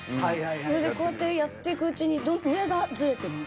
それでこうやってやっていくうちに上がズレてって。